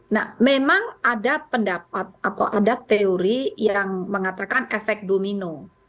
nah memang ada pendapat atau ada teori yang mengatakan efek domino